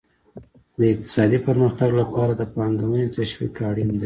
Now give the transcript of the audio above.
د اقتصادي پرمختګ لپاره د پانګونې تشویق اړین دی.